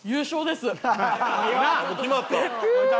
決まった？